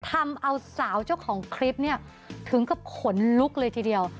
ทำเอาสาวเจ้าของคลิปเนี่ยถึงกับขนลุกเลยทีเดียว